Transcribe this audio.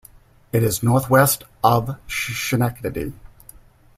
It is northwest of Schenectady.